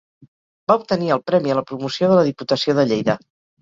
Va obtenir el Premi a la Promoció de la Diputació de Lleida.